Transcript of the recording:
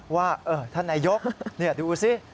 ว่าท่านนายกดูสิ